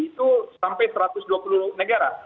itu sampai satu ratus dua puluh negara